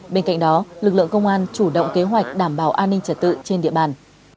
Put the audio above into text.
bên cạnh đó lực lượng công an chủ động kế hoạch đảm bảo an ninh trật tự trên địa bàn